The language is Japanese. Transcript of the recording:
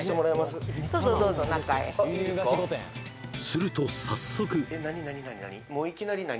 すると早速何？